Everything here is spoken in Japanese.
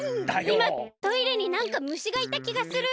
いまトイレになんかむしがいたきがする。